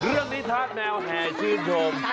เรื่องนี้ทาสแมวแห่ชื่นชม